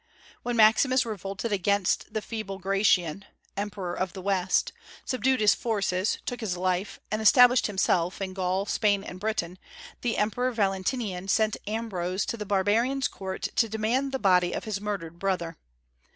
When Maximus revolted against the feeble Gratian (emperor of the West), subdued his forces, took his life, and established himself in Gaul, Spain, and Britain, the Emperor Valentinian sent Ambrose to the barbarian's court to demand the body of his murdered brother.